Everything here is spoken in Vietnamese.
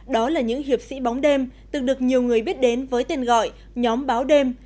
đó là những hiệp sĩ bóng đêm từng được nhiều người biết đến với tên gọi nhóm báo đêm